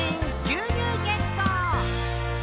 「牛乳ゲット！」